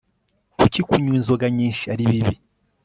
Kuki kunywa inzoga nyinshi ari bibi